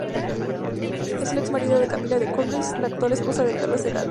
Es el ex-marido de Camila de Cornualles, la actual esposa de Carlos de Gales.